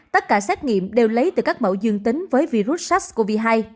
tất cả xét nghiệm đều lấy từ các mẫu dương tính với virus sars cov hai